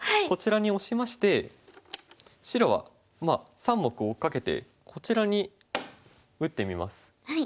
こちらにオシまして白は３目を追っかけてこちらに打ってみます。